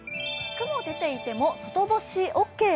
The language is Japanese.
雲出ていても、外干しオーケー。